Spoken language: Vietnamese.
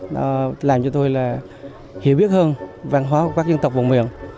nó làm cho tôi là hiểu biết hơn văn hóa của các dân tộc vùng miền